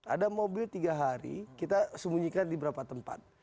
ada mobil tiga hari kita sembunyikan di beberapa tempat